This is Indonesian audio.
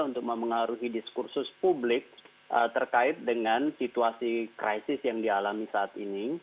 untuk memengaruhi diskursus publik terkait dengan situasi krisis yang dialami saat ini